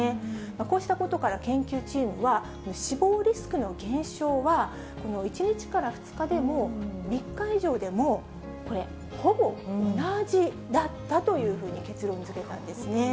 こうしたことから研究チームは、死亡リスクの減少は、１日から２日でも３日以上でも、これ、ほぼ同じだったというふうに結論づけたんですね。